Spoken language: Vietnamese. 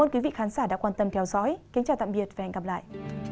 ơn quý vị khán giả đã quan tâm theo dõi kính chào tạm biệt và hẹn gặp lại